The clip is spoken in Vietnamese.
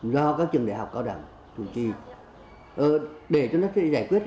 do các trường đại học cao đẳng chủ trì để cho nó giải quyết